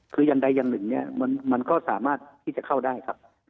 คืออย่างใดอย่างหนึ่งเนี่ยมันก็สามารถที่จะเข้าได้ครับ